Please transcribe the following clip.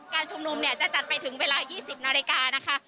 การชุมนุมเนี่ยจะจัดไปถึงเวลา๒๐นาฬิกานะคะ